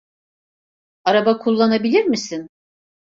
Araba kullanabilir misin?